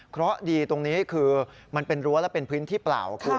เพราะดีตรงนี้คือมันเป็นรั้วและเป็นพื้นที่เปล่าคุณ